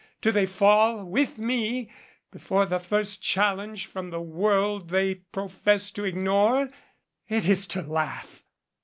Do they fall, with me, before the first challenge from the world they profess to ignore? It is to laugh."